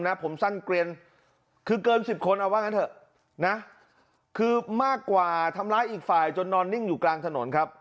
นผมสั้นเกลียนคือเกิน๑๐คนทำลายอีกฝ่ายจนนอนนิ่งอยู่กลางถนนครับ